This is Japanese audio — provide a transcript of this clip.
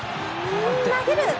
投げる！